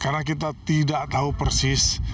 karena kita tidak tahu persis